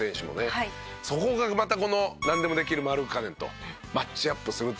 そこがまたこのなんでもできるマルカネンとマッチアップする。